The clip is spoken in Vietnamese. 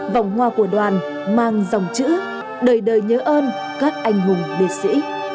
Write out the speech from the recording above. vòng hoa của đoàn mang dòng chữ đời đời nhớ ơn các anh hùng liệt sĩ